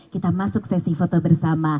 kita masuk sesi foto bersama